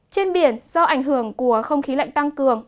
trên biển do ảnh hưởng của không khí lạnh tăng cường